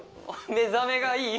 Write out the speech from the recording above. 目覚めがいい！